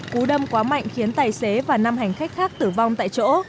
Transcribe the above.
cú đâm quá mạnh khiến tài xế và năm hành khách khác tử vong tại chỗ